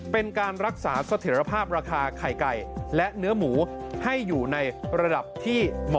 โปรดติดตามต่อไป